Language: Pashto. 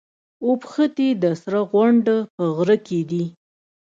اوبښتي د سره غونډ په غره کي دي.